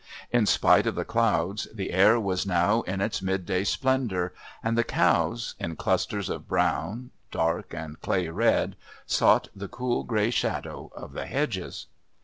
In spite of the clouds the air was now in its mid day splendour, and the cows, in clusters of brown, dark and clay red, sought the cool grey shadows of the hedges.